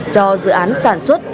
cho dự án sản xuất